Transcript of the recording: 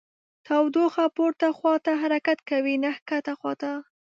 تودوخه پورته خواته حرکت کوي نه ښکته خواته.